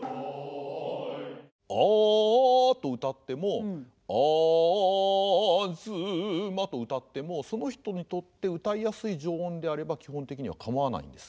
「ああ」と謡っても「東」と謡ってもその人にとって謡いやすい上音であれば基本的には構わないんです。